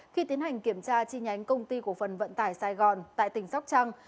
khi tiến hành kiểm tra chi nhánh công ty cổ phần vận tải sài gòn tại tỉnh sóc trăng